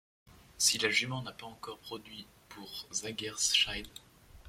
Si la jument n’a pas encore produit pour Zangersheide.